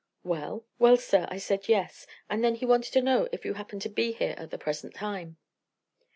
"Well?" "Well, sir, I said Yes. And then he wanted to know if you happened to be here at the present time."